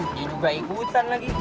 dia juga ikutan lagi